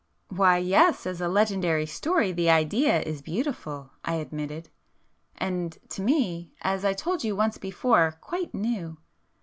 "Why yes, as a legendary story the idea is beautiful,"—I admitted—"And to me, as I told you once before, quite new.